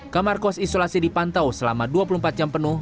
kamar kos isolasi dipantau selama dua puluh empat jam penuh